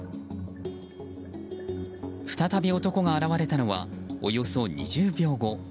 再び男が現れたのはおよそ２０秒後。